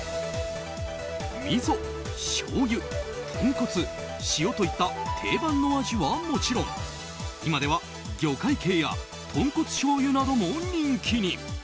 みそ、しょうゆ、豚骨、塩といった定番の味はもちろん今では、魚介系や豚骨しょうゆなども人気に。